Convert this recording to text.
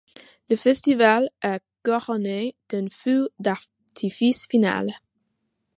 Le festival est couronné d'un feu d'artifice final.